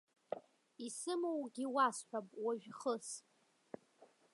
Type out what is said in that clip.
Исымоугьы уасҳәап уажә хыс.